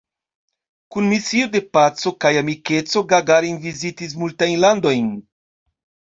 Kun misio de paco kaj amikeco Gagarin vizitis multajn landojn.